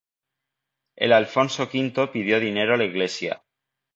El Alfonso V pidió dinero a la iglesia.